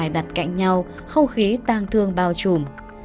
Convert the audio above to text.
hai đặt cạnh nhau không khí tăng thương bao trùm